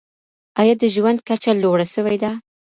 ایا د ژوند کچه لوړه سوي ده؟